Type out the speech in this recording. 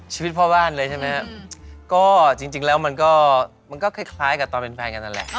ชีวิตพ่อบ้านเลยใช่ไหมครับก็จริงแล้วมันก็คล้ายกับตอนเป็นแฟนกันนั่นแหละ